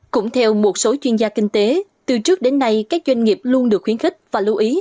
cũng theo một số chuyên gia kinh tế từ trước đến nay các doanh nghiệp luôn được khuyến khích và lưu ý